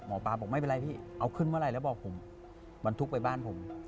หมอปลาบอกไม่เป็นไรพี่เอาขึ้นเมื่อไหร่แล้วบอกผมบรรทุกไปบ้านผม